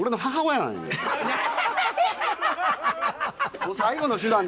もう最後の手段で。